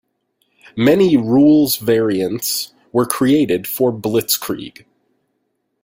Many rules variants were created for "Blitzkrieg".